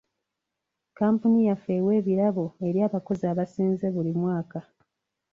Kampuni yaffe ewa ebirabo eri abakozi abasinze buli mwaka.